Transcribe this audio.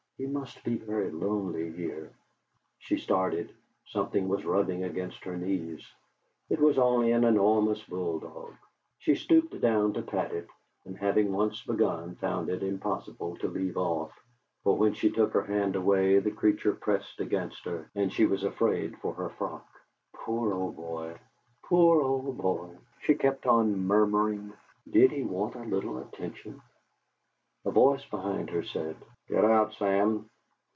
He must be very lonely here.' She started. Something was rubbing against her knees: it was only an enormous bulldog. She stooped down to pat it, and having once begun, found it impossible to leave off, for when she took her hand away the creature pressed against her, and she was afraid for her frock. "Poor old boy poor old boy!" she kept on murmuring. "Did he want a little attention?" A voice behind her said: "Get out, Sam!